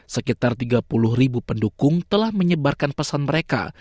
sekitar tiga puluh ribu pendukung telah menyebarkan pesan mereka